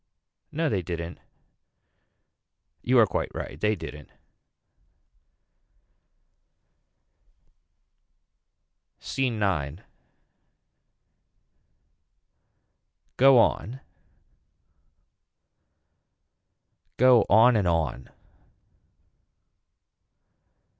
No they didn't. You are quite right they didn't. SCENE IX. Go on. Go on and on.